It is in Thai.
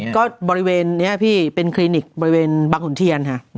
ก็บริเวณนี้พี่เป็นคลินิกบริเวณบางขุนเทียนค่ะ